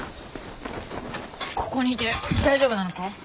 ここにいて大丈夫なのか？